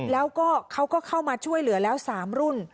แล้วก็เขาก็เข้ามาช่วยเหลือแล้ว๓รุ่น